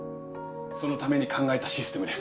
そのために考えたシステムです。